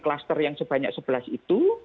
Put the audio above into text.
kluster yang sebanyak sebelas itu